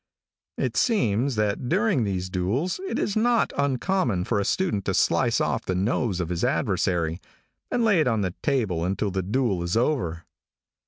It seems that during these duels it is not uncommon for a student to slice off the nose of his adversary, and lay it on the table until the duel is over.